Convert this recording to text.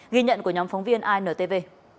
ghi nhận của nhóm phóng viên intv